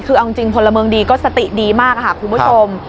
คือเอาจริงพลเมืองดีก็สติดีมากค่ะคุณผู้ชม